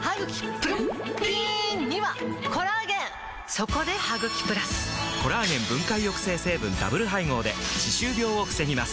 そこで「ハグキプラス」！コラーゲン分解抑制成分ダブル配合で歯周病を防ぎます